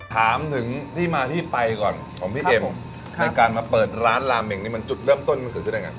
ถามถึงที่มาที่ไปก่อนของพี่เอ็มในการมาเปิดร้านลาเมงนี่มันจุดเริ่มต้นมันเกิดขึ้นได้ไง